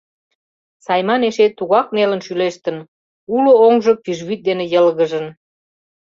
Сайман эше тугак нелын шӱлештын, уло оҥжо пӱжвӱд дене йылгыжын.